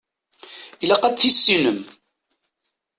Ilaq ad t-tissinem.